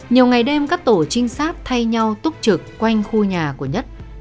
nhiều ngày đêm các tổ trinh sát thay nhau túc trực quanh khu nhà của nhất